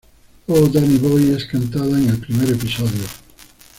Oh Danny Boy es cantada en el primer episodio.